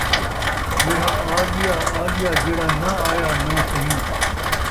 جیڑھا آڳیا، آڳیا، جیڑھا ناں آیا ناں سہی